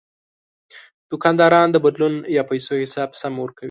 دوکاندار د بدلون یا پیسو حساب سم ورکوي.